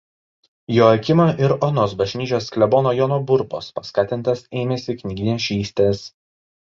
Joakimo ir Onos bažnyčios klebono Jono Burbos paskatintas ėmėsi knygnešystės.